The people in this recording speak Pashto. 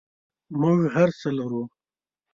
موږ هرڅه لرل.